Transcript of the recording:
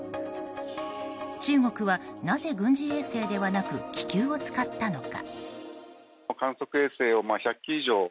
中国は、なぜ軍事衛星ではなく気球を使ったのか？